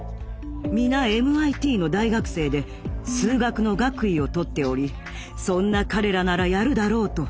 皆ＭＩＴの大学生で数学の学位を取っておりそんな彼らならやるだろうと。